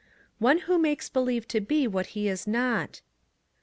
" One who makes believe to be what he is not."